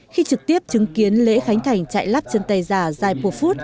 khi trực tiếp chứng kiến lễ khánh thành trại lắp chân tay giả jaipur food